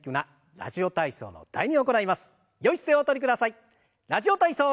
「ラジオ体操第２」。